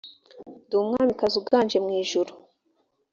ndi umwamikazi uganje mwijuru